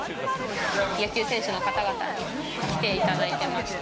野球選手の方々に来ていただいてまして。